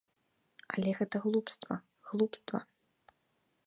Але гэта глупства, глупства!